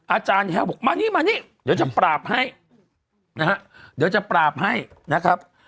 อาจารย์แห้วบอกมานี่มานี่เดี๋ยวจะปราบให้นะฮะเดี๋ยวจะปราบให้นะครับ